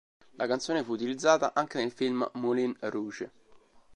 La canzone fu utilizzata anche nel film Moulin Rouge!